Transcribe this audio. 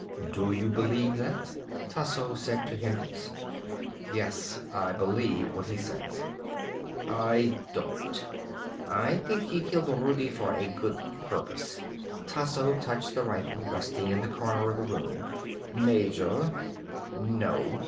"Do you believe that?" Tasso said to Hendricks. "Yes. I believe what he says." "I don't. I think he killed Rudi for a good purpose." Tasso touched the rifle, resting in the corner of the room. "Major " "No."